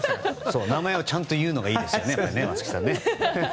名前をちゃんと言うのがいいですよね。